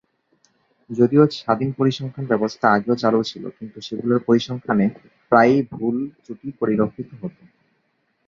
যদিও স্বাধীন পরিসংখ্যান ব্যবস্থা আগেও চালু ছিল, কিন্তু সেগুলোর পরিসংখ্যানে প্রায়ই ভুল-ত্রুটি পরিলক্ষিত হত।